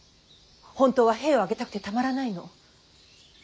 本当は兵を挙げたくてたまらないの。